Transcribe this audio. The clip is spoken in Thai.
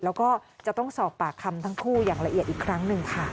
แล้วก็จะต้องสอบปากคำทั้งคู่อย่างละเอียดอีกครั้งหนึ่งค่ะ